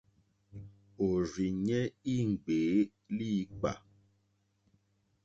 Òrzìɲɛ́ í ŋɡbèé líǐpkà.